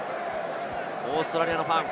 オーストラリアのファン。